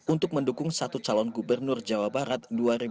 untuk mendukung satu calon gubernur jawa barat dua ribu dua puluh